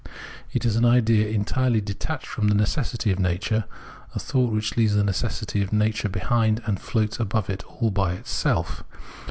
It is an idea entirely detached from the necessity of nature, a thought which leaves this necessity of nature behind and floats above it aU by itself.